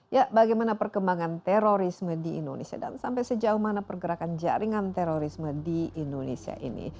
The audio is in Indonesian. ya bagaimana perkembangan terorisme di indonesia dan sampai sejauh mana pergerakan jaringan terorisme di indonesia ini